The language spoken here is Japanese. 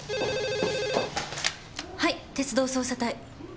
はい鉄道捜査隊。